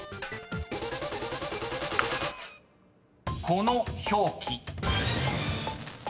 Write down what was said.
［この表記］